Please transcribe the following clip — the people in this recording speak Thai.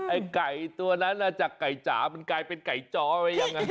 ไอ้ไก่ตัวนั้นจากไก่จ๋ามันกลายเป็นไก่จอไปยังไง